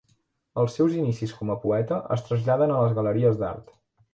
Els seus inicis com a poeta es traslladen a les galeries d'art.